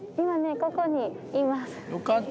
ここにいます。